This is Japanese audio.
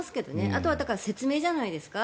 あとは説明じゃないですか。